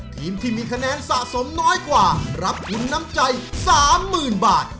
ทีมที่มีคะแนนสะสมน้อยกว่ารับทุนน้ำใจ๓๐๐๐บาท